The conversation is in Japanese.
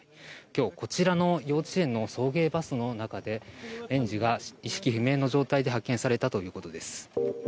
今日、こちらの幼稚園の送迎バスの中で園児が意識不明の状態で発見されたということです。